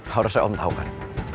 harusnya om tahu kan